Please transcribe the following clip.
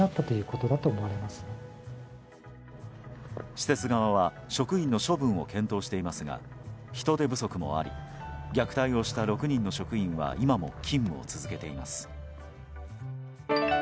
施設側は職員の処分を検討していますが人手不足もあり虐待をした６人の職員は今も勤務を続けています。